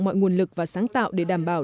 mọi nguồn lực và sáng tạo để đảm bảo